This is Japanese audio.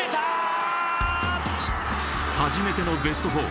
初めてのベスト４。